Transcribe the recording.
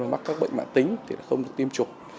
mắc các bệnh mạng tính thì không được tiêm chủng